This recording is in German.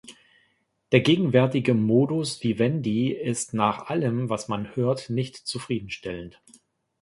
Der gegenwärtige modus vivendi ist nach allem, was man hört, nicht zufriedenstellend.